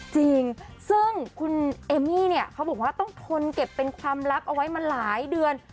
จริงซึ่งคุณเอมมี่เนี่ยเขาบอกว่าต้องทนเก็บเป็นความลับเอาไว้มาหลายเดือน